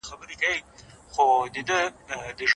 که تاسې درس ولولئ نو پوه به سئ.